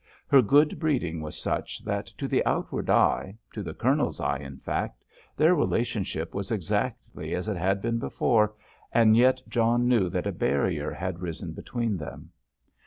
Her good breeding was such that to the outward eye—to the Colonel's eye, in fact—their relationship was exactly as it had been before, and yet John knew that a barrier had risen between them.